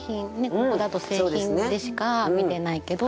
ここだと製品でしか見れないけど